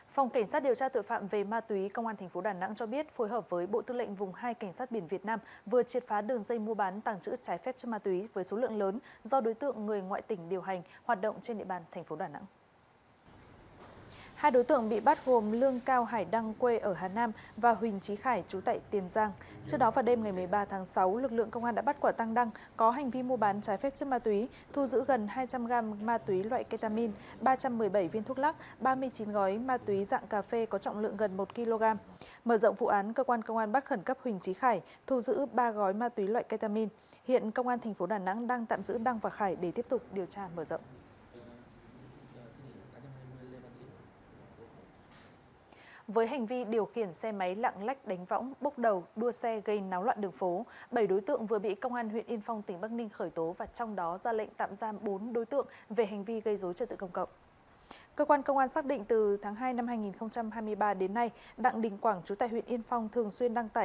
phòng cảnh sát điều tra tựa phạm về ma túy công an tp đà nẵng cho biết phối hợp với bộ tư lệnh vùng hai cảnh sát biển việt nam vừa triệt phá đường dây mua bán tàng trữ trái phép cho ma túy với số lượng lớn do đối tượng người ngoại tỉnh điều hành hoạt động trên địa bàn tp đà nẵng